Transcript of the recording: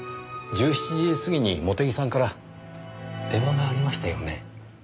１７時過ぎに茂手木さんから電話がありましたよね？